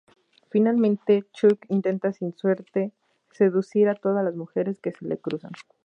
Finalmente, Chuck intenta sin suerte seducir a todas las mujeres que se le cruzan.